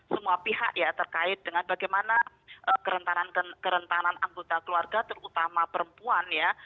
semua pihak ya terkait dengan bagaimana kerentanan anggota keluarga terutama perempuan ya